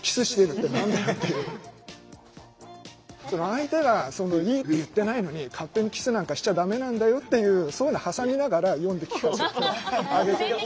相手がいいって言ってないのに勝手にキスなんかしちゃダメなんだよっていうそういうの挟みながら読んで聞かせてあげてるって。